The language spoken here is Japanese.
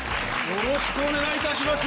よろしくお願いします。